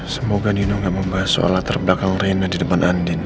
semoga nino tidak membahas soal latar belakang reina di depan andin